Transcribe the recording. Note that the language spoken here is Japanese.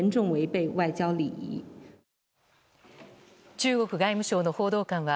中国外務省の報道官は